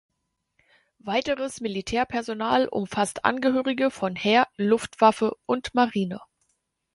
Weiteres Militärpersonal umfasst Angehörige von Heer, Luftwaffe und Marine.